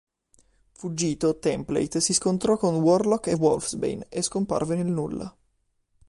Fuggito, Template si scontrò con Warlock e Wolfsbane e scomparve nel nulla.